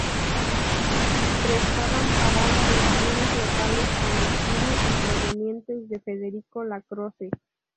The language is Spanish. Prestaban parada los trenes locales con destino y provenientes de Federico Lacroze.